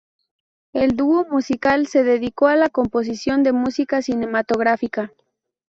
El dúo musical se dedicó a la composición de música cinematográfica.